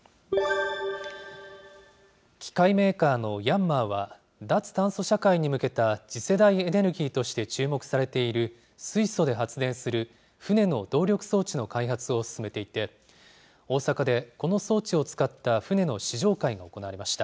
機械メーカーのヤンマーは、脱炭素社会に向けた次世代エネルギーとして注目されている水素で発電する船の動力装置の開発を進めていて、大阪でこの装置を使った船の試乗会が行われました。